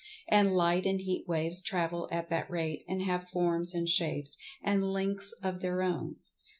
And Light and Heat waves travel at that rate, and have forms and shapes, and lengths of their own.